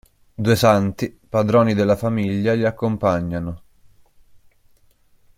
Due Santi, patroni della famiglia li accompagnano.